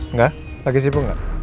nggak lagi sibuk nggak